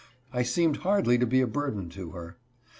I seemed hardly to be a burden to her.